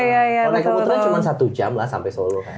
kalau naik ke muterline cuma satu jam lah sampai solo kan